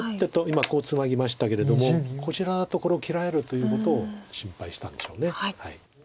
今こうツナぎましたけれどもこちらとこれを切られるということを心配したんでしょう。